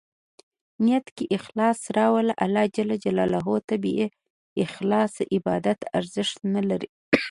نیت کې اخلاص راوله ، الله ج ته بې اخلاصه عبادت ارزښت نه لري.